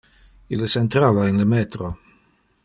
Illes entrava in le metro.